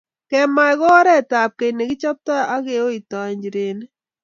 kemai ko oretab keny ne kichoptoi ake oitoi nchirenik .